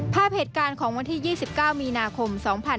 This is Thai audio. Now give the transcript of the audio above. ภาพเหตุการณ์ของวันที่๒๙มีนาคม๒๕๖๒